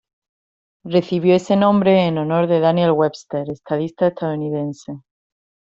Recibió ese nombre en honor de Daniel Webster, estadista estadounidense.